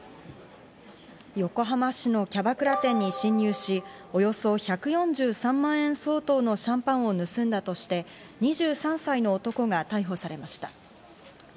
横浜市のキャバクラ店に侵入し、およそ１４３万円相当のシャンパンを盗んだとして、２３歳の男が逮捕されました。